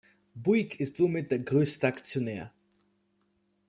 Bouygues ist somit der größte Aktionär.